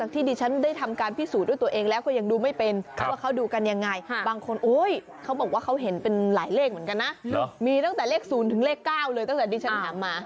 ต้องเอามาต้องเอามาถ่ายรูป